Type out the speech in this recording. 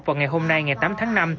vào ngày hôm nay ngày tám tháng năm